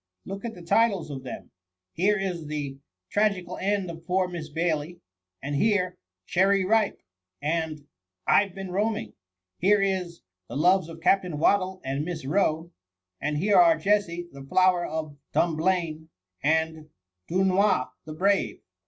Look at the titles of them. Here is the * Tragical end of poor Miss Bailey* — and here * Cherry Ripe'*— and * I Ve been roaming.^ Here is * The loves of Captain Wattle and Miss Roe' — and here are * Jessy the flower of Dumblane/ and ^ Dunois the brave.